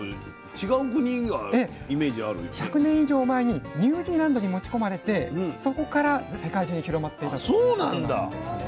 １００年以上前にニュージーランドに持ち込まれてそこから世界中に広まっていったということなんですね。